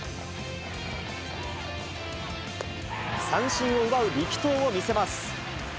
三振を奪う力投を見せます。